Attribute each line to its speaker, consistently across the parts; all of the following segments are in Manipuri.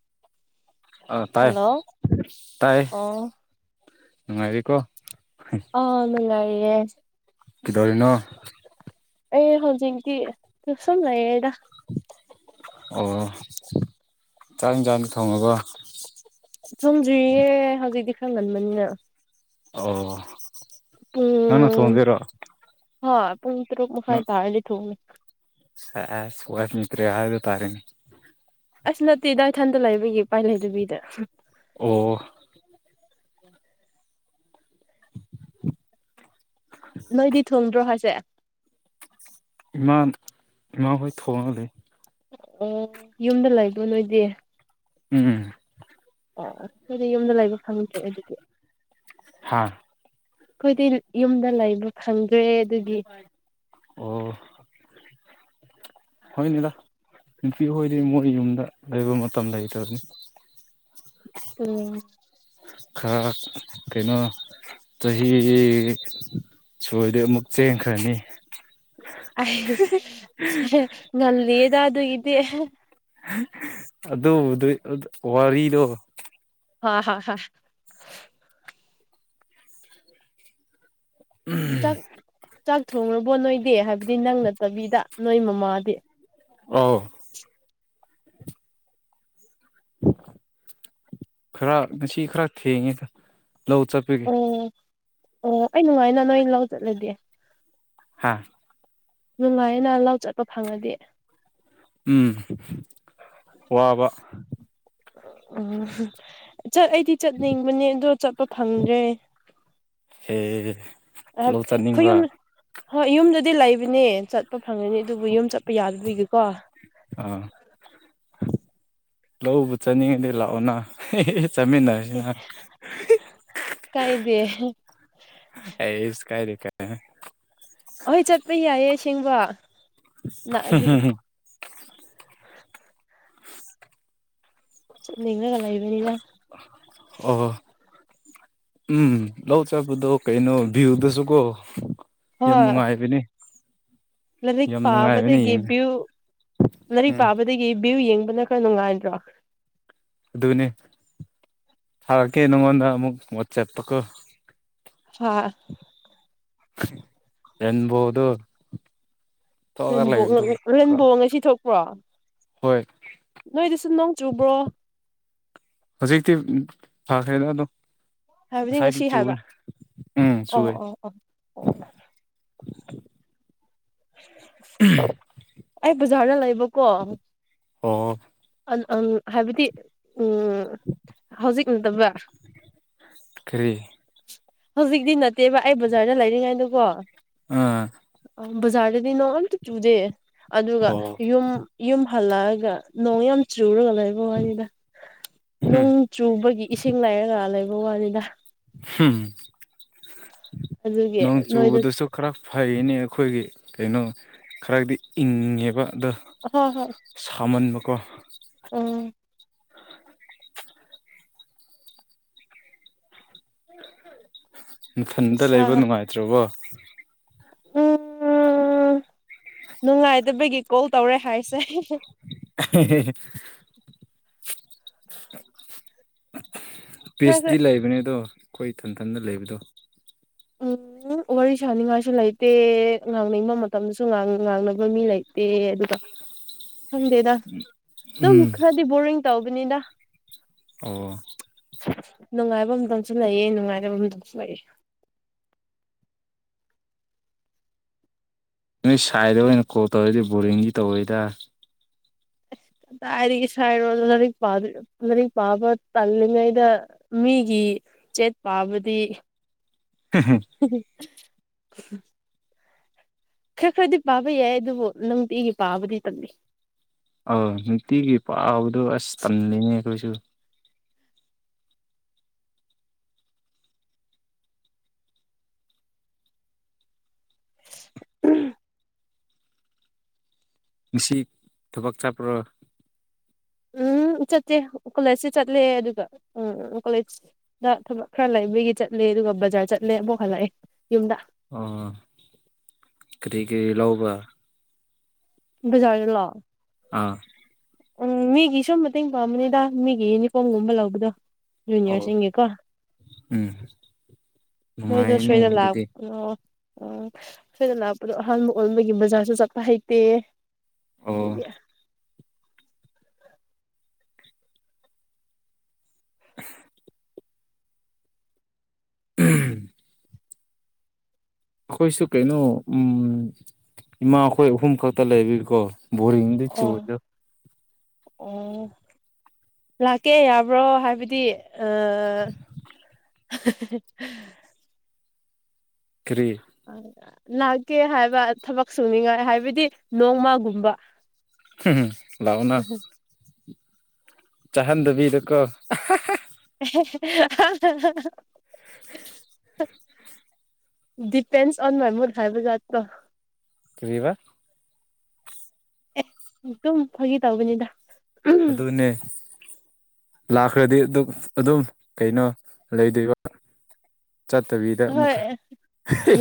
Speaker 1: [inaudible] ꯑꯥ ꯇꯥꯏꯌꯦ
Speaker 2: ꯍꯜꯂꯣ
Speaker 1: ꯇꯥꯏꯌꯦ
Speaker 2: ꯑꯣ
Speaker 1: ꯅꯨꯡꯉꯥꯏꯔꯤꯀꯣ
Speaker 2: ꯑ ꯅꯨꯡꯉꯥꯏꯔꯤꯌꯦ
Speaker 1: ꯀꯩꯗꯧꯔꯤꯅꯣ
Speaker 2: ꯑꯩ ꯍꯧꯖꯤꯛꯇꯤ ꯁꯨꯝ ꯂꯩꯌꯦꯗ
Speaker 1: ꯑꯣ ꯆꯥꯛ ꯏꯟꯖꯥꯡ ꯊꯣꯡꯉꯕꯣ
Speaker 2: ꯆꯨꯝꯗ꯭ꯔꯤꯌꯦ ꯍꯧꯖꯤꯛꯇꯤ ꯈꯔ ꯉꯟꯕꯅꯤꯅ
Speaker 1: ꯑꯣ ꯅꯪꯅ
Speaker 2: ꯄꯨꯡ
Speaker 1: ꯊꯣꯡꯗꯣꯏꯔꯣ
Speaker 2: ꯍꯣꯏ ꯄꯨꯡ ꯇꯔꯨꯛ ꯃꯥꯈꯥꯏ ꯇꯥꯔꯗꯤ ꯊꯣꯡꯅꯤ
Speaker 1: ꯁꯦꯁ [unintelligible]
Speaker 2: ꯑꯁ ꯅꯠꯇꯦꯗ ꯏꯊꯟꯗ ꯂꯩꯕꯒꯤ ꯎꯄꯥꯏ ꯂꯩꯇꯕꯤꯗ
Speaker 1: ꯑꯣ
Speaker 2: ꯅꯣꯏꯗꯤ ꯊꯣꯡꯗ꯭ꯔꯣ ꯍꯥꯏꯁꯦ
Speaker 1: ꯏꯃꯥ ꯏꯃꯥ ꯍꯣꯏ ꯊꯣꯡꯉ ꯂꯩ
Speaker 2: ꯑꯣ ꯌꯨꯝꯗ ꯂꯩꯕ ꯅꯣꯏꯗꯤ
Speaker 1: ꯎꯝ
Speaker 2: ꯑꯣ ꯑꯣ ꯅꯣꯏꯗꯤ ꯌꯨꯝꯗ ꯂꯩꯕ ꯐꯪꯗ꯭ꯔꯦ ꯑꯗꯨꯗꯤ
Speaker 1: ꯍꯥ
Speaker 2: ꯑꯩꯈꯣꯏꯗꯤ ꯌꯨꯝꯗ ꯂꯩꯕ ꯐꯪꯗ꯭ꯔꯦ ꯑꯗꯨꯒꯤ
Speaker 1: ꯍꯣꯏꯅꯤꯗ ꯅꯨꯄꯤꯍꯣꯏꯗꯤ ꯃꯣꯏ ꯌꯨꯝꯗ ꯂꯩꯕ ꯃꯇꯝ ꯂꯩꯇꯕꯅꯤ
Speaker 2: ꯎꯝ
Speaker 1: ꯈꯔ ꯀꯩꯅꯣ ꯆꯍꯤ ꯁꯣꯏꯗꯤ ꯑꯃꯨꯛ ꯆꯦꯟꯈ꯭ꯔꯅꯤ
Speaker 2: ꯑꯩ ꯉꯜꯂꯤꯗ ꯑꯗꯨꯏꯗ
Speaker 1: ꯑꯗꯨ [unintelligible] ꯋꯥꯔꯤꯗꯣ
Speaker 2: ꯍꯥ ꯍꯥ ꯍꯥ ꯆꯥꯛ ꯆꯥꯛ ꯊꯣꯡꯔꯕꯣ ꯅꯣꯏꯗꯤ ꯍꯥꯏꯕꯗꯤ ꯅꯪ ꯅꯠꯇꯕꯤꯗ ꯅꯣꯏ ꯃꯃꯥꯗꯤ
Speaker 1: ꯑꯧ ꯈꯔ ꯉꯁꯤ ꯈꯔ ꯊꯦꯉꯦ ꯂꯧ ꯆꯠꯄꯒꯤ
Speaker 2: ꯑꯣ ꯑꯣ ꯑꯩ ꯅꯨꯡꯉꯥꯏꯅ ꯅꯣꯏ ꯂꯧ ꯆꯠꯂꯗꯤ
Speaker 1: ꯍꯥꯥ
Speaker 2: ꯅꯨꯡꯉꯥꯏꯌꯦꯅ ꯂꯥꯎ ꯆꯠꯄ ꯐꯪꯉꯗꯤ
Speaker 1: ꯎꯝ ꯋꯥꯕ
Speaker 2: ꯎꯝ ꯆꯠ ꯑꯩꯗꯤ ꯆꯠꯅꯤꯡꯕꯅꯦ ꯑꯗꯣ ꯆꯠꯄ ꯐꯪꯗ꯭ꯔꯦ [inaudible]
Speaker 1: ꯑꯦ ꯂꯧ
Speaker 2: ꯑꯩꯈꯣꯏ
Speaker 1: ꯆꯠꯅꯤꯡꯕ꯭ꯔꯥ
Speaker 2: ꯌꯨꯝ ꯍꯣꯏ ꯌꯨꯝꯗꯗꯤ ꯂꯩꯕꯅꯦ ꯆꯠꯄ ꯐꯪꯒꯅꯤ ꯑꯗꯨꯕꯨ ꯌꯨꯝ ꯆꯠꯄ ꯌꯥꯗꯕꯤꯒꯤꯀꯣ
Speaker 1: ꯑꯥ ꯂꯧꯕꯨ ꯆꯠꯅꯤꯡꯉꯗꯤ ꯂꯥꯛꯑꯣꯅ ꯆꯠꯃꯤꯟꯅꯔꯁꯤꯅ
Speaker 2: ꯀꯥꯏꯗꯦ
Speaker 1: ꯑꯩꯁ ꯀꯥꯏꯗꯦ ꯀꯥꯏꯗꯦ
Speaker 2: ꯁꯤꯡꯕ
Speaker 1: ꯍꯝ ꯍꯝ ꯍꯝ
Speaker 2: ꯆꯠꯅꯤꯡꯉꯒ ꯂꯩꯕꯅꯤꯅ
Speaker 1: ꯑꯣ ꯎꯝ ꯂꯧ ꯆꯄꯗꯣ ꯀꯩꯅꯣ ꯚ꯭ꯌꯨꯗꯨꯁꯨ ꯀꯣ ꯌꯥꯝ
Speaker 2: ꯍꯣꯏ
Speaker 1: ꯅꯨꯡꯉꯥꯏꯕꯅꯦ
Speaker 2: ꯂꯥꯏꯔꯤꯛ ꯄꯥꯕꯗꯒꯤ
Speaker 1: ꯌꯦꯡꯉ
Speaker 2: ꯚ꯭ꯌꯨ ꯂꯥꯏꯔꯤꯛ
Speaker 1: ꯎꯝ
Speaker 2: ꯄꯥꯕꯗꯒꯤ ꯚꯌꯨ ꯌꯦꯡꯕꯅ ꯈꯔ ꯅꯨꯡꯉꯥꯏꯗ꯭ꯔꯣ
Speaker 1: ꯑꯗꯨꯅꯤ ꯊꯔꯛꯀꯦ ꯅꯪꯉꯣꯟꯗ ꯑꯃꯨꯛ ꯋꯥꯠꯆꯦꯄꯇꯀꯣ
Speaker 2: ꯍꯥ
Speaker 1: ꯑꯦꯕꯗꯨ
Speaker 2: ꯔꯕ ꯔꯦꯟꯕꯣ ꯉꯁꯤ ꯊꯣꯛ ꯀ꯭ꯔꯣ
Speaker 1: ꯍꯣꯏ
Speaker 2: ꯅꯣꯏꯗꯤ ꯁꯨꯝ ꯅꯣꯡ ꯆꯨꯕ꯭ꯔꯣ
Speaker 1: ꯍꯧꯖꯤꯛꯇꯤ ꯐꯈ꯭ꯔꯦꯗ ꯑꯗꯣ
Speaker 2: ꯍꯥꯏꯕꯗꯤ
Speaker 1: ꯉꯁꯥꯏꯗꯤ
Speaker 2: ꯉꯁꯤ ꯍꯥꯏꯕ
Speaker 1: ꯆꯨꯕꯅꯦ ꯎꯝ
Speaker 2: ꯑꯣ
Speaker 1: ꯆꯨꯋꯦ
Speaker 2: ꯑꯣ ꯑꯣ ꯑꯣ ꯑꯩ ꯕꯖꯥꯔꯗ ꯂꯩꯕꯀꯣ
Speaker 1: ꯑꯣ
Speaker 2: ꯑꯡ ꯑꯡ ꯍꯥꯏꯕꯗꯤ ꯎꯝ ꯍꯧꯖꯤꯛ ꯅꯠꯇꯕ
Speaker 1: ꯀꯔꯤ
Speaker 2: ꯍꯧꯖꯤꯛꯇꯤ ꯅꯠꯇꯦꯕ ꯑꯩ ꯕꯖꯥꯔꯗ ꯂꯩꯔꯤꯉꯥꯏꯗꯨꯀꯣ
Speaker 1: ꯑꯥ
Speaker 2: ꯕꯖꯥꯔꯗꯗꯤ ꯅꯣꯡꯇ ꯆꯨꯗꯦ ꯑꯗꯨꯒ
Speaker 1: ꯑꯣ
Speaker 2: ꯌꯨꯝ ꯌꯨꯝ ꯐꯂꯑꯒ ꯅꯣꯡ ꯌꯥꯝ ꯆꯨꯨꯔꯒ ꯂꯩꯕ ꯋꯥꯅꯤꯗ
Speaker 1: ꯍꯝ
Speaker 2: ꯅꯣꯡ ꯆꯨꯕꯒꯤ ꯏꯁꯤꯡ ꯂꯩꯥꯏꯔꯒ ꯂꯩꯕ ꯋꯥꯅꯤꯗ
Speaker 1: ꯎꯝ
Speaker 2: ꯑꯗꯨꯒꯤ
Speaker 1: ꯅꯣꯡ
Speaker 2: ꯅꯣꯏꯗ
Speaker 1: ꯆꯨꯕꯗꯁꯨ ꯈꯔ ꯐꯩꯅꯦ ꯑꯩꯈꯣꯏꯒꯤ ꯀꯩꯅꯣ ꯈꯔꯗꯤ ꯏꯪꯉꯦꯕ ꯑꯗꯣ
Speaker 2: ꯍꯣꯏ ꯍꯣꯏ
Speaker 1: ꯁꯥꯃꯟꯕ ꯀꯣ
Speaker 2: ꯎꯝ
Speaker 1: ꯃꯊꯟꯇ
Speaker 2: ꯁꯥ
Speaker 1: ꯂꯩꯕ ꯅꯨꯡꯉꯥꯏꯇ꯭ꯔꯕꯣ
Speaker 2: ꯎꯝ ꯅꯨꯡꯉꯥꯏꯗꯕꯒꯤ ꯀꯣꯜ ꯇꯧꯔꯦ ꯍꯥꯏꯁꯦ
Speaker 1: [inaudible]
Speaker 2: ꯈꯔ
Speaker 1: ꯄꯤꯁꯗꯤ ꯂꯩꯕꯅꯦ ꯑꯗꯣ ꯑꯩꯈꯣꯏ ꯏꯊꯟꯊꯟꯇ ꯂꯩꯕꯗꯣ
Speaker 2: ꯎꯝ ꯋꯥꯔꯤ ꯁꯥꯅꯤꯡꯉꯥꯏꯁꯨ ꯂꯩꯇꯦ ꯉꯥꯡꯅꯤꯡꯕ ꯃꯇꯝꯗꯁꯨ ꯉꯥꯡꯅꯕ ꯃꯤ ꯂꯩꯇꯦ ꯑꯗꯨꯒ ꯈꯪꯗꯦꯗ ꯑꯗꯨꯝ
Speaker 1: ꯎꯝ
Speaker 2: ꯈꯔꯗꯤ ꯕꯣꯔꯤꯡ ꯇꯧꯕꯅꯤꯗ
Speaker 1: ꯑꯣ
Speaker 2: ꯐꯕ ꯑꯃꯝꯇꯪꯁꯨ ꯂꯩꯌꯦ ꯅꯨꯡꯉꯥꯏꯅꯕ ꯑꯇꯪꯁꯨ ꯂꯩꯑ
Speaker 1: ꯅꯣꯏ ꯁꯥꯏꯗ ꯑꯣꯏꯅ ꯀꯣꯜ ꯇꯧꯔꯗꯤ ꯕꯣꯔꯤꯡꯗꯤ ꯇꯧꯔꯦꯗ
Speaker 2: ꯇꯥꯏꯔꯤꯒꯤ ꯁꯥꯏꯔꯛ ꯄꯔꯤꯛ ꯄꯥꯕ ꯇꯜꯉꯥꯏꯗ ꯃꯤꯒꯤ ꯆꯦꯠ ꯄꯥꯕꯗꯤ ꯈꯔ ꯈꯔꯗꯤ ꯄꯥꯕ ꯌꯥꯏ ꯑꯗꯨꯕꯨ ꯅꯨꯡꯇꯤꯒꯤ ꯄꯥꯕꯨꯗꯤ ꯇꯂꯤ
Speaker 1: ꯑ ꯅꯨꯡꯇꯤꯒꯤ ꯄꯥꯎꯕꯗꯣ ꯑꯁ ꯇꯝꯂꯤꯅꯦ ꯑꯩꯈꯣꯏꯁꯨ ꯉꯅꯨꯡꯁꯤ ꯊꯨꯣꯕꯥꯛ ꯆꯥꯄ꯭ꯔꯣ
Speaker 2: ꯎꯝ ꯆꯠꯇꯦ ꯀꯣꯂꯦꯖꯁꯤ ꯆꯠꯂꯦ ꯑꯗꯨꯒ ꯎꯝ ꯀꯣꯂꯦꯖꯇ ꯊꯕꯛ ꯈꯔ ꯂꯩ ꯌꯒꯤ ꯆꯠꯂꯦ ꯑꯗꯨꯒ ꯕꯖꯥꯔ ꯆꯠꯂꯦ ꯑꯃꯨꯛ ꯍꯜꯂꯛꯑꯦ ꯌꯨꯝꯗ
Speaker 1: ꯑ ꯀꯔꯤ ꯀꯔꯤ ꯂꯧꯕ
Speaker 2: ꯖꯔ ꯂꯥꯎ
Speaker 1: ꯑꯥ
Speaker 2: ꯎꯝ ꯃꯤꯒꯤ ꯁꯨꯝ ꯃꯇꯦꯡ ꯄꯥꯡꯕꯅꯤꯗ ꯃꯤꯒꯤ ꯌꯨꯅꯤꯐꯣꯔꯝꯒꯨꯝꯕ ꯂꯧꯕꯗꯣ
Speaker 1: ꯑꯣ
Speaker 2: ꯌꯖꯨꯅꯤꯔꯁꯤꯡꯀ
Speaker 1: ꯎꯝ ꯅꯨꯡꯉꯥꯏꯅꯦ
Speaker 2: ꯃꯣꯏꯗꯁꯣꯏꯗ ꯂꯥꯛ
Speaker 1: ꯑꯗꯨꯗꯤ
Speaker 2: ꯎꯝ ꯁꯣꯏꯗ ꯂꯥꯛꯄꯗꯣ ꯑꯍꯥꯟꯕ ꯑꯣꯟꯕꯒꯤ ꯕꯖꯥꯔꯁꯨ ꯆꯠꯄ ꯍꯩꯇꯦ
Speaker 1: ꯑꯣ
Speaker 2: ꯑꯗꯨꯗꯒꯤ
Speaker 1: ꯎꯝ ꯑꯩꯈꯣꯏꯁꯨ ꯀꯩꯅꯣ ꯏꯃꯥꯈꯣꯏ ꯑꯍꯨꯝ ꯈꯛꯇ ꯂꯩꯕꯤꯀꯣ ꯕꯣꯔꯤꯡꯗꯤ ꯆꯨꯗ
Speaker 2: ꯑꯣ ꯂꯥꯛꯀꯦ ꯌꯥꯕ꯭ꯔꯣ ꯍꯥꯏꯕꯗꯤ ꯑꯥ
Speaker 1: ꯀꯔꯤ
Speaker 2: ꯂꯥꯛꯀꯦ ꯍꯥꯏꯕ ꯊꯕꯛ ꯁꯨꯅꯤꯡꯉꯥꯏ ꯍꯥꯏꯕꯗꯤ ꯅꯣꯡꯃꯒꯨꯝꯕ
Speaker 1: ꯂꯅ ꯆꯍꯟꯕꯤꯗꯨ ꯀꯣ
Speaker 2: [unintelligible]
Speaker 1: [unintelligible]
Speaker 2: ꯗꯤꯄꯦꯟꯁ ꯑꯣꯟ ꯃꯥꯏꯃ ꯍꯥꯏꯥꯏꯕꯖ
Speaker 1: ꯀꯔꯤꯕꯥ
Speaker 2: ꯑꯦ ꯑꯗꯨꯝ ꯐꯥꯒꯤ ꯇꯧꯕꯅꯤꯗ
Speaker 1: ꯈ꯭ꯔꯦꯗꯤꯠ ꯑꯗꯨꯝ ꯀꯩꯅꯣ ꯂꯩꯗꯣꯏꯕ ꯆꯠꯇꯕꯤꯗ
Speaker 2: ꯍꯣꯏ
Speaker 1: ꯑꯃꯨꯛꯀ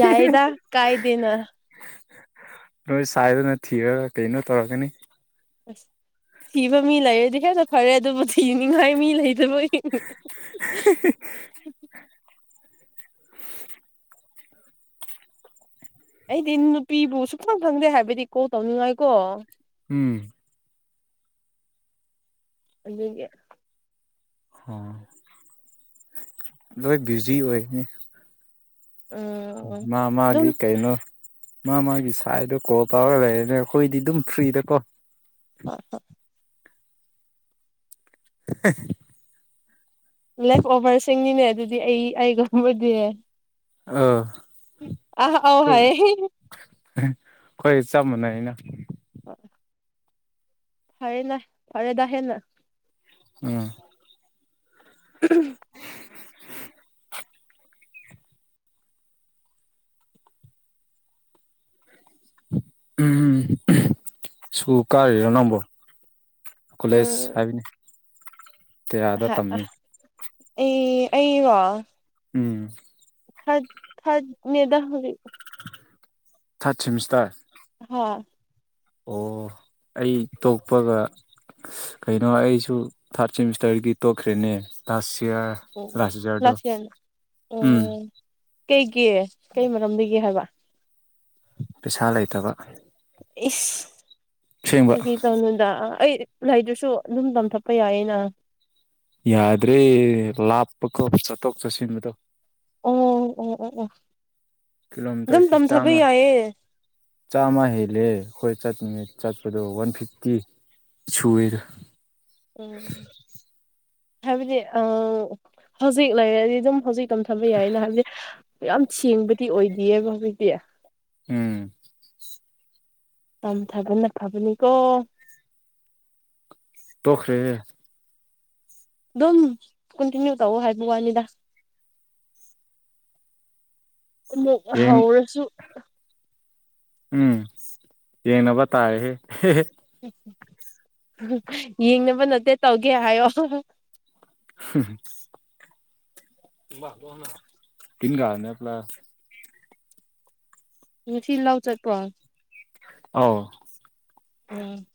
Speaker 2: ꯌꯥꯏꯗ ꯀꯥꯏꯗꯦꯅ
Speaker 1: ꯅꯣꯏ ꯁꯥꯏꯗꯅ ꯊꯤꯔꯒ ꯀꯩꯅꯣ ꯇꯧꯔꯀꯅꯤ
Speaker 2: ꯑꯁ ꯊꯤꯕ ꯃꯤ ꯂꯩꯔꯦꯗꯤ ꯈꯔꯁꯨ ꯐꯔꯦ ꯑꯗꯨꯕꯨ ꯊꯤꯅꯤꯡꯉꯥꯏ ꯃꯤ ꯂꯩ ꯣꯏ ꯑꯩꯗꯤ ꯅꯨꯄꯤꯕꯨ ꯁꯨꯈꯪ ꯈꯪꯗꯦ ꯍꯥꯏꯕꯗꯤ ꯀꯣꯜ ꯇꯧꯅꯤꯡꯉꯥꯏꯀꯣ
Speaker 1: ꯎꯝ
Speaker 2: ꯑꯗꯨꯒ
Speaker 1: ꯑꯣ ꯂꯣꯏ ꯕꯤꯖꯤ ꯑꯣꯏꯅꯤ
Speaker 2: ꯎꯝ
Speaker 1: ꯃꯥ
Speaker 2: ꯑꯗꯨꯝ
Speaker 1: ꯃꯥꯒꯤ ꯀꯩꯅꯣ ꯃꯥ ꯃꯥꯒꯤ ꯁꯥꯏꯗꯣ ꯀꯣ ꯇꯧꯔꯒ ꯂꯩꯔꯦꯅꯦ ꯑꯩꯈꯣꯏꯗꯤ ꯑꯗꯨꯝ ꯐ꯭ꯔꯤꯗꯀꯣ [inaudible]
Speaker 2: ꯂꯦꯐ ꯑꯣꯚꯔꯁꯤꯡꯅꯤꯅꯦ ꯑꯗꯨꯗꯤ ꯑꯩ ꯑꯩꯒꯨꯝꯕꯨꯗꯤ
Speaker 1: ꯑꯥ
Speaker 2: ꯑ ꯑ
Speaker 1: ꯍꯣꯏ
Speaker 2: ꯍꯥꯏꯌꯦ
Speaker 1: ꯍꯣꯏ ꯆꯞ ꯃꯥꯟꯅꯩ ꯑꯩꯅ
Speaker 2: ꯑ ꯐꯔꯦꯅ ꯐꯥꯔꯦꯗ ꯍꯥꯏ ꯅ
Speaker 1: ꯎꯝ
Speaker 2: ꯎ
Speaker 1: [inaudible] ꯎꯝ ꯁ ꯀꯥꯏ ꯅꯪꯝꯕ ꯀꯂꯦꯖ
Speaker 2: ꯎꯝ
Speaker 1: ꯍꯥꯏꯕꯅꯦ ꯇꯌꯥꯗ ꯇꯝꯃꯤ
Speaker 2: ꯑꯦ ꯑꯩꯔ
Speaker 1: ꯎꯝ
Speaker 2: ꯊ ꯊꯠ ꯃꯗꯥ ꯍꯧꯕꯤ
Speaker 1: ꯊꯔꯠ ꯁꯤꯃꯤꯁꯇꯔ
Speaker 2: ꯍꯥ
Speaker 1: ꯑꯣ ꯑꯩ ꯇꯣꯛꯄꯒ ꯀꯩꯅꯣ ꯑꯩꯁꯨ ꯊꯥꯔꯠ ꯁꯦꯃꯤꯁꯇꯔꯒꯤ ꯇꯣꯛꯈ꯭ꯔꯦꯅꯦ ꯂꯥꯁ ꯍꯌꯥꯔ
Speaker 2: ꯎꯝ ꯎꯝ
Speaker 1: ꯂꯥꯁ ꯍꯖꯔꯗꯣ
Speaker 2: ꯏꯌꯥꯔꯅ
Speaker 1: ꯎꯝ
Speaker 2: ꯀꯩꯒꯤ ꯀꯩ ꯃꯔꯝꯒꯦ ꯍꯥꯏꯕ
Speaker 1: ꯄꯩꯁꯥ ꯂꯩꯇꯕ
Speaker 2: ꯏꯁ
Speaker 1: ꯑꯁꯦꯡꯕ
Speaker 2: ꯐꯒ ꯇꯅꯗ ꯑꯩ ꯂꯩꯗꯨꯁꯨ ꯑꯗꯨꯝ ꯇꯝꯊꯠꯄ ꯌꯥꯏꯌꯦꯩꯅ
Speaker 1: ꯌꯥꯗ꯭ꯔꯦ ꯂꯥꯞꯄ ꯀꯞ ꯆꯠꯊꯣꯛ ꯆꯠꯁꯤꯟꯕꯗꯣ
Speaker 2: ꯑꯣ ꯑꯣ ꯑꯣ ꯑꯣ ꯑꯗꯨꯝ
Speaker 1: ꯀꯤꯂꯣꯃꯤꯇꯔꯁꯤ
Speaker 2: ꯇꯝꯊꯕ
Speaker 1: ꯆꯥꯃ
Speaker 2: ꯌꯥꯏꯌꯦ
Speaker 1: ꯆꯥꯃ ꯍ ꯂꯩꯦ ꯍꯣꯏ ꯆꯠꯅꯤꯡꯅꯦ ꯆꯠꯄꯗꯣ ꯋꯥꯟ ꯐꯤꯐꯇꯤ ꯁꯨꯏꯔ
Speaker 2: ꯎꯝ ꯍꯥꯏꯕꯗꯤ ꯑ ꯍꯧꯖꯤꯛ ꯂꯩꯔꯗꯤ ꯑꯗꯨꯝ ꯍꯧꯖꯤꯛ ꯃꯇꯝ ꯊꯝꯕ ꯌꯥꯏꯌꯦꯅ ꯍꯥꯏꯕꯗꯤ ꯌꯥꯝ ꯁꯦꯡꯕꯗꯤ ꯑꯣꯏꯗꯦꯑꯕ ꯍꯧꯖꯤꯛꯇꯤ
Speaker 1: ꯎꯝ
Speaker 2: ꯇꯝꯊꯕꯅ ꯐꯕꯅꯤꯀꯣ
Speaker 1: ꯇꯈ꯭ꯔꯦ
Speaker 2: ꯑꯗꯨꯝ ꯀꯟꯇꯤꯅ꯭ꯌꯨ ꯇꯧꯑꯣ ꯍꯥꯏꯕ ꯋꯥꯅꯤꯗ ꯃꯛ
Speaker 1: ꯌꯦꯡ
Speaker 2: ꯍꯧꯥꯎꯔꯁꯨ
Speaker 1: ꯎꯝ ꯌꯦꯅꯕ ꯇꯥꯥꯏ
Speaker 2: ꯌꯦꯡꯅꯕ ꯅꯠꯇꯦ ꯇꯧꯒꯦ ꯍꯥꯏꯌꯣ
Speaker 1: [inaudible] ꯇꯤꯟꯒꯅꯤꯂ
Speaker 2: ꯁꯤꯜ ꯂꯥꯎ ꯆꯠꯄ꯭ꯔꯣ
Speaker 1: ꯑ
Speaker 2: ꯎꯝ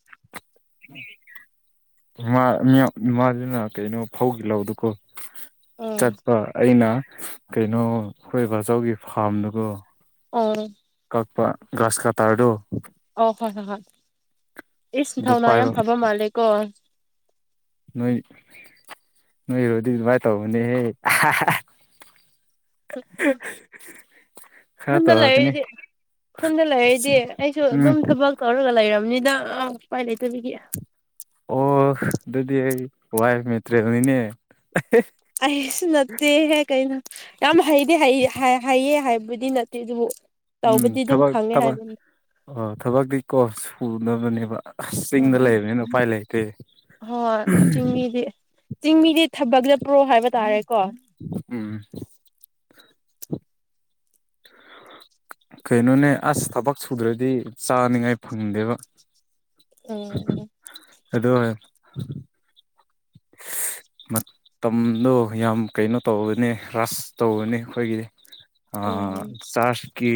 Speaker 1: ꯃꯥꯗꯨꯅ ꯀꯩꯅꯣ ꯐꯧꯒꯤ ꯂꯥꯎꯗꯀꯣ
Speaker 2: ꯎꯝ
Speaker 1: ꯆꯠꯄ ꯑꯩꯅ ꯀꯩꯅꯣ ꯑꯩꯈꯣꯏꯕꯥꯆꯧꯒꯤ ꯐꯥꯔꯝꯗꯨꯒ
Speaker 2: ꯑꯣ
Speaker 1: ꯑꯞꯄ ꯒꯥꯁ ꯀꯥ ꯇꯥꯔꯗꯨꯣ
Speaker 2: ꯑꯣ ꯍꯣꯏ ꯍꯣꯏ ꯍꯣꯏ ꯏꯁ
Speaker 1: ꯑꯗꯨ
Speaker 2: ꯅꯤꯡꯊꯧꯅꯥ ꯌꯥꯝ
Speaker 1: ꯄꯥꯏꯕ
Speaker 2: ꯐꯕ ꯃꯥꯜꯂꯦ ꯀꯣ
Speaker 1: ꯅꯣꯏ ꯅꯣꯏꯔꯣꯗꯤ ꯑꯗꯨꯃꯥꯏꯅ ꯇꯧꯕꯅꯦꯍꯦ [inaudible] ꯈꯔ
Speaker 2: ꯈꯨꯟꯗ
Speaker 1: ꯇꯧꯔꯛꯀꯅꯤ
Speaker 2: ꯂꯩꯔꯗꯤ ꯈꯨꯟꯗ ꯂꯩꯔꯗꯤ ꯑꯩꯁꯨ
Speaker 1: ꯎꯝ
Speaker 2: ꯑꯗꯨꯝ ꯊꯕꯛ ꯇꯧꯔꯒ ꯂꯩꯔꯝꯅꯤ ꯑꯥꯎ ꯄꯥꯏ ꯂꯩꯇꯃꯤꯒ
Speaker 1: ꯑꯣ ꯑꯗꯨꯗꯤ ꯑꯩ ꯋꯥꯏ ꯃꯦꯇ꯭ꯔꯦꯅꯤꯅꯦ
Speaker 2: ꯑꯩꯁꯨ ꯅꯠꯇꯦꯍꯦ ꯀꯩꯅꯣ ꯌꯥꯝ ꯍꯩꯗꯤ ꯍꯩꯌꯦ ꯍꯥꯏꯕ ꯗꯤ ꯅꯠꯇꯦ ꯑꯗꯨꯕꯨ
Speaker 1: ꯎꯝ
Speaker 2: ꯇꯧꯕꯗꯤ ꯑꯗꯨꯝ
Speaker 1: ꯊꯕꯛ
Speaker 2: ꯈꯪꯉꯦ
Speaker 1: ꯊꯕꯛ
Speaker 2: ꯍꯥꯏꯕꯅꯤ
Speaker 1: ꯑ ꯊꯕꯛꯇꯤ ꯀꯣ ꯑꯗꯨꯝꯕꯅꯦꯕ ꯑꯁ
Speaker 2: ꯍꯣꯏ
Speaker 1: ꯆꯤꯡꯗ
Speaker 2: ꯍꯣꯏ
Speaker 1: ꯂꯩꯕꯅꯤꯅ ꯎꯄꯥꯏ ꯂꯩꯇꯦ
Speaker 2: ꯍꯣꯏ ꯆꯤꯡꯃꯤꯗꯤ ꯆꯤꯡꯃꯤꯗꯤ ꯊꯕꯛ ꯆꯠꯄ꯭ꯔꯣ ꯍꯥꯏꯕ ꯇꯥꯔꯦꯀꯣ
Speaker 1: ꯎꯝ ꯀꯩꯅꯣꯅꯦ ꯑꯁ ꯊꯕꯛ ꯁꯨꯗ꯭ꯔꯗꯤ ꯆꯥꯅꯤꯡꯉꯥꯏ ꯐꯪꯗꯦꯕ
Speaker 2: ꯎꯝ
Speaker 1: ꯑꯗꯨꯗ
Speaker 2: [inaudible]
Speaker 1: ꯃꯇꯝꯗꯣ ꯌꯥꯝ ꯀꯩꯅꯣ ꯇꯧꯕꯅꯤ ꯔꯁ ꯇꯧꯕꯅꯤ ꯑꯩꯈꯣꯏꯒꯤꯗꯤ ꯑ
Speaker 2: ꯎꯝ
Speaker 1: ꯆ ꯀꯤ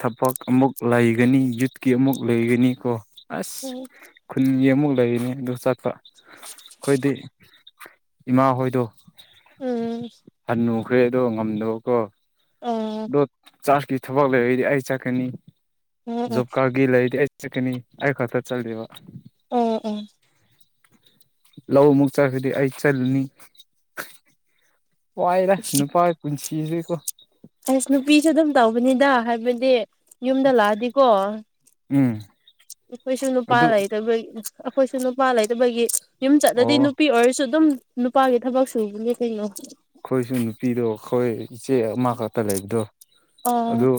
Speaker 1: ꯊꯕꯛ ꯑꯃꯨꯛ ꯂꯩꯒꯅꯤ ꯌꯨꯠꯀꯤ ꯑꯃꯨꯛ ꯂꯩꯒꯅꯤ ꯀꯣ ꯑꯁ
Speaker 2: ꯎꯝ
Speaker 1: ꯈꯨꯟꯒꯤ ꯑꯃꯨꯛ ꯂꯩꯔꯤꯅꯤ ꯑꯗꯨ ꯆꯠꯄ ꯑꯩꯈꯣꯏꯗꯤ ꯏꯃꯥ ꯍꯣꯏꯗꯣ
Speaker 2: ꯎꯝ
Speaker 1: ꯍꯅꯨ ꯈ꯭ꯔꯦ ꯑꯗꯣ ꯉꯝꯗꯣꯀꯣ
Speaker 2: ꯎꯝ
Speaker 1: ꯑꯗꯣ ꯆꯥꯛꯀꯤ ꯊꯕꯛ ꯂꯩꯔꯗꯤ ꯑꯩ ꯆꯥꯛꯀꯅꯤ
Speaker 2: ꯎꯝ ꯎꯝ
Speaker 1: ꯖꯣꯕ ꯀꯥꯔꯒꯤ ꯂꯩꯔꯗꯤ ꯑꯩ ꯁꯤ ꯀꯅꯤ ꯑꯩ ꯈ ꯊꯔ ꯆꯠꯗꯦꯕ
Speaker 2: ꯎꯝ ꯎꯝ
Speaker 1: ꯂꯧ ꯑꯃꯨꯛ ꯆꯥꯈꯗꯤ ꯑꯩ ꯆꯠꯂꯨꯅꯤ ꯄꯥꯏꯔ ꯅꯨꯄꯥ ꯄꯨꯟꯁꯤꯁꯤꯀꯣ
Speaker 2: ꯅꯤꯗ ꯍꯥꯏꯕꯗꯤ ꯌꯨꯝꯗ ꯂꯥꯛꯑꯗꯤꯀꯣ
Speaker 1: ꯎꯝ
Speaker 2: ꯑꯩꯈꯣꯏꯁꯨ ꯅꯨꯄꯥ
Speaker 1: ꯑꯗꯨ
Speaker 2: ꯂꯩꯕ ꯑꯩꯈꯣꯏꯁꯨ ꯅꯨꯄꯥ ꯂꯩꯇꯕꯒꯤ ꯌꯨꯝ ꯆꯠꯂꯗꯤ
Speaker 1: ꯑꯣ
Speaker 2: ꯅꯨꯄꯤ ꯑꯣꯏꯔꯁꯨ ꯑꯗꯨꯝ ꯅꯨꯄꯥꯒꯤ ꯊꯕꯛ ꯁꯨꯒꯤ ꯀꯩꯅꯣ
Speaker 1: ꯑꯩꯈꯣꯏꯁꯨ ꯅꯨꯄꯤꯗꯣ ꯑꯩꯈꯣꯏ ꯏꯆꯦ ꯑꯃꯈꯛꯇ ꯂꯩꯕꯗꯣ
Speaker 2: ꯑ
Speaker 1: ꯑꯗꯨ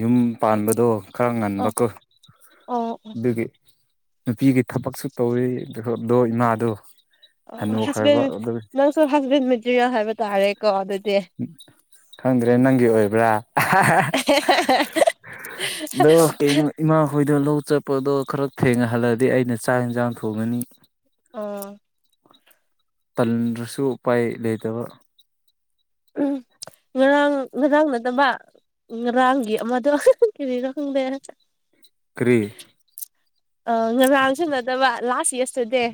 Speaker 1: ꯌꯨꯝ ꯄꯥꯟꯕꯗꯣ ꯈꯔꯥ
Speaker 2: ꯑꯣ
Speaker 1: ꯉꯟꯕꯀꯣ
Speaker 2: ꯑꯣ
Speaker 1: ꯑꯗꯨꯒꯤ ꯅꯨꯄꯤꯒꯤ ꯊꯕꯛꯁꯨ ꯇꯧꯋꯤꯗꯣ ꯏꯃꯥꯗꯣ
Speaker 2: ꯑꯣ
Speaker 1: ꯍꯟꯅꯨꯈ꯭ꯔꯕ
Speaker 2: ꯍꯥꯁꯕꯥꯟꯗ
Speaker 1: ꯑꯗꯨ
Speaker 2: ꯅꯪꯁꯨ ꯍꯥꯁꯕꯦꯟꯗ ꯃꯦꯇ꯭ꯔꯤꯌꯥꯣ ꯍꯥꯏꯕ ꯇꯥꯔꯦꯀꯣ ꯑꯗꯨ [inaudible]
Speaker 1: ꯈꯪꯗ꯭ꯔꯦ ꯅꯪꯒꯤ ꯑꯣꯏꯕ꯭ꯔꯥ ꯗꯣ ꯀꯩꯅꯣ ꯏꯃꯥ ꯍꯣꯏꯗ ꯂꯧ ꯆꯠ ꯆꯠꯄꯗꯣ ꯈꯔꯥ ꯊꯦꯡꯅ ꯍꯜꯂꯗꯤ ꯑꯩꯅ ꯆꯥꯛ ꯌꯦꯟꯁꯥꯡ ꯊꯣꯡꯉꯥꯅꯤ
Speaker 2: ꯑꯥ
Speaker 1: ꯇꯟ꯭ꯔꯁꯨ ꯎꯄꯥꯏ ꯂꯩꯇꯕ
Speaker 2: ꯎꯝ ꯉꯔꯥꯡ ꯉꯔꯥꯡ ꯅꯠꯇꯕ ꯉꯔꯥꯡꯒꯤ ꯑꯃꯗꯨ ꯀꯔꯤꯔ ꯈꯪꯗꯦ
Speaker 1: ꯀ꯭ꯔꯤ
Speaker 2: ꯑ ꯉꯔꯥꯡꯁꯨ ꯅꯠꯗꯕ ꯂꯥꯁ ꯌꯦꯁꯇꯦꯔꯗꯥꯏ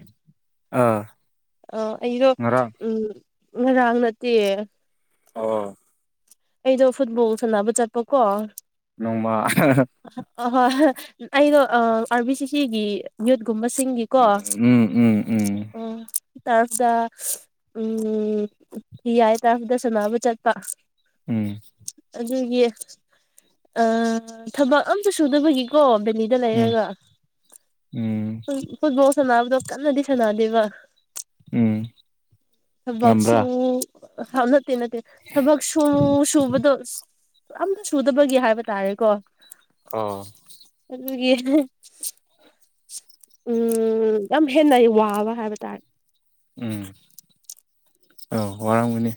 Speaker 1: ꯑꯥ
Speaker 2: ꯑ ꯑꯩꯗꯣ
Speaker 1: ꯉꯔꯥꯡ
Speaker 2: ꯎ ꯉꯔꯥꯡ ꯅꯠꯇꯦ
Speaker 1: ꯑꯣ [inaudible]
Speaker 2: ꯑꯩꯗꯣ ꯐꯨꯠꯕꯣꯜ ꯁꯥꯟꯅꯕ ꯆꯠꯄꯀꯣ
Speaker 1: ꯅꯣꯡꯃ
Speaker 2: ꯑ ꯍꯣꯏ ꯑꯩꯩꯗꯣ ꯑ ꯑꯥꯔꯕꯤ ꯁꯤ ꯁꯤꯒꯤ ꯌꯨꯠ [inaudible] ꯒꯨꯝꯕꯁꯤꯡꯒꯤꯀꯣ
Speaker 1: ꯎꯝ ꯎꯝ ꯎꯝ
Speaker 2: ꯎ ꯇꯔꯐꯗ ꯎꯝ ꯍꯤꯌꯥꯏ ꯇꯔꯐꯗ ꯁꯅꯥꯕ ꯆꯥꯠꯄ
Speaker 1: ꯎꯝ
Speaker 2: ꯑꯗꯨꯒꯤ ꯑ ꯊꯕꯛ ꯑꯃꯇꯥ ꯁꯨꯗꯕꯒꯤꯀꯣ ꯂꯤꯗ
Speaker 1: ꯎꯝ
Speaker 2: ꯂꯩꯔꯒ
Speaker 1: ꯎꯝ
Speaker 2: ꯐꯨꯠꯕꯣꯜ ꯁꯥꯟꯅꯕꯗꯣ ꯀꯟꯅꯗꯤ ꯁꯥꯟꯅꯗꯦꯕ
Speaker 1: ꯎꯝ
Speaker 2: ꯊꯥꯕꯛꯁꯨ
Speaker 1: ꯉꯝꯕ꯭ꯔꯥ
Speaker 2: ꯍꯥ ꯅꯥꯠꯇꯦ ꯅꯥꯠꯇꯦ ꯁꯨ ꯁꯨꯕꯗꯣ ꯑꯝꯇꯥ ꯁꯨꯗꯕꯒꯤ ꯍꯥꯏꯕ ꯇꯥꯔꯦꯀꯣ
Speaker 1: ꯑ [unintelligible]
Speaker 2: ꯑꯗꯨꯒꯤ ꯎꯝ ꯌꯥꯝ ꯍꯦꯟꯅ ꯑꯩ ꯋꯥꯕ ꯍꯥꯏꯕ ꯇꯥꯔꯦ
Speaker 1: ꯎꯝ ꯑ ꯋꯥꯔꯥꯝꯒꯅꯤ